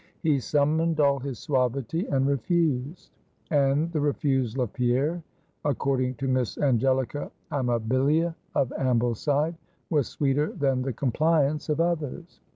He summoned all his suavity, and refused. And the refusal of Pierre according to Miss Angelica Amabilia of Ambleside was sweeter than the compliance of others.